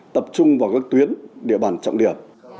tập trung vào các tuyến địa bàn trọng điểm